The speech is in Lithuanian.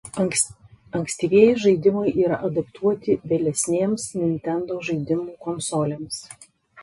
Ankstyvieji žaidimai yra adaptuoti vėlesnėms „Nintendo“ žaidimų konsolėms.